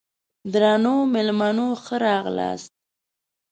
درنو مېلمنو ښه راغلاست!